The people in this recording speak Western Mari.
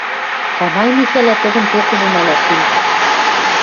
Камай Михӓлӓ тӹдӹм токыжы нӓлӓш ли.